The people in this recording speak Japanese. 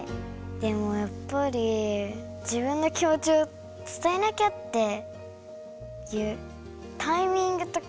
でもやっぱり自分の気持ちを伝えなきゃっていうタイミングとかあるでしょ？